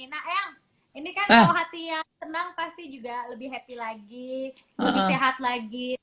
nah eyang ini kan kalau hati yang tenang pasti juga lebih happy lagi lebih sehat lagi